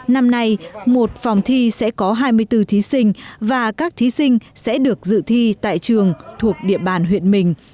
năm nay một phòng thi sẽ có hai mươi bốn thí sinh và các thí sinh sẽ được dự thi tại trường thuộc địa bàn huyện mình